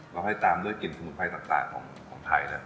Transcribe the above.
เราให้ตามด้วยกลิ่นสมุนไพรต่างของไทย